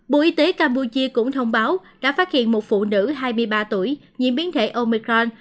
bộ y tế campuchia cũng thông báo đã phát hiện một phụ nữ hai mươi ba tuổi nhiễm biến thể omicron